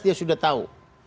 dia sudah tahu